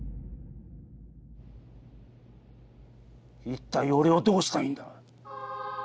一体俺をどうしたいんだ？